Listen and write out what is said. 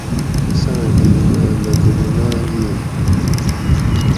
اساں ھیر می لکہ بُومال ییگ